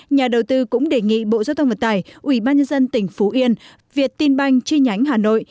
nhà đầu tư cũng đề nghị bộ giao thông vận tải ubnd tỉnh phú yên việt tin banh chi nhánh hà nội